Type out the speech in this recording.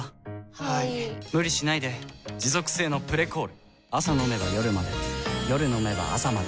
はい・・・無理しないで持続性の「プレコール」朝飲めば夜まで夜飲めば朝まで